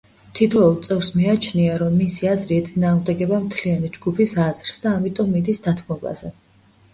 თითოეულ წევრს მიაჩნია, რომ მისი აზრი ეწინააღმდეგება მთლიანი ჯგუფის აზრს და ამიტომ მიდის დათმობაზე.